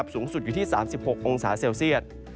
สูงสุดอยู่ที่๓๖องศาเซลเซียต